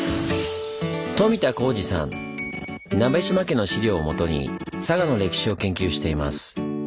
鍋島家の資料を基に佐賀の歴史を研究しています。